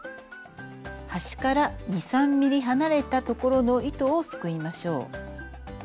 端から２３ｍｍ離れた所の糸をすくいましょう。